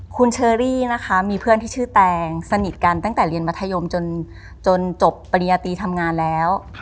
คุณเชอรี่นะคะมีเพื่อนที่ชื่อแตงสนิทกันตั้งแต่เรียนมัธยมจนจบปริญญาตีทำงานแล้ว